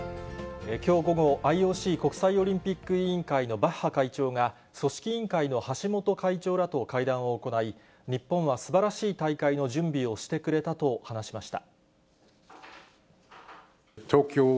きょう午後、ＩＯＣ・国際オリンピック委員会のバッハ会長が、組織委員会の橋本会長らと会談を行い、日本はすばらしい大会の準備をしてくれたと話しました。